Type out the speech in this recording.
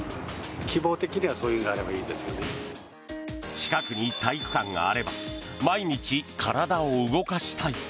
近くに体育館があれば毎日、体を動かしたい。